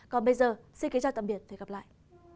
còn bây giờ xin kính chào tạm biệt và hẹn gặp lại